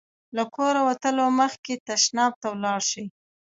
له کوره وتلو مخکې تشناب ته ولاړ شئ.